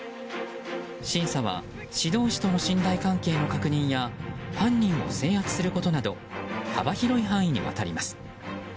審査は指導士との信頼関係の確認や犯人を制圧することなど幅広い範囲にわたります。